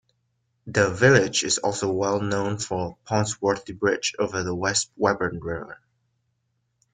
The village is also well known for Ponsworthy Bridge over the West Webburn River.